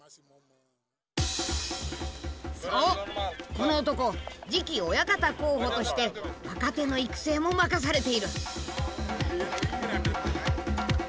この男次期親方候補として若手の育成も任されている。